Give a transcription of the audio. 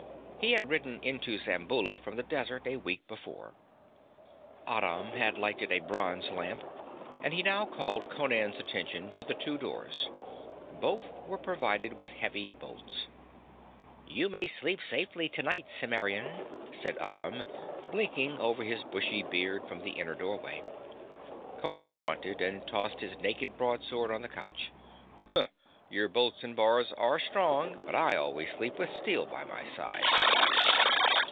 He had ridden into Zamboula from the desert a week before. Aram had lighted a bronze lamp, and he now called Conan's attention to the two doors. Both were provided with heavy bolts. 'You may sleep safely tonight, Cimmerian,' said Aram, blinking over his bushy beard from the inner doorway. Conan grunted and tossed his naked broadsword on the couch. 'Your bolts and bars are strong; but I always sleep with steel by my side.'